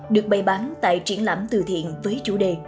được bày bán tại triển lãm từ thiện với chủ đề